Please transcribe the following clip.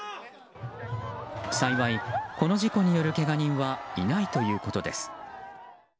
幸い、この事故によるけが人はいないということです。